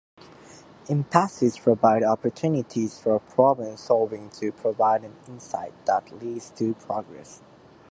Impasses provide opportunities for problem solving to provide an insight that leads to progress.